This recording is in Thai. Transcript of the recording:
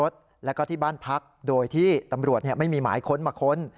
แล้วก็ที่บ้านพักโดยที่ตำรวจไม่มีหมายค้นมาค้น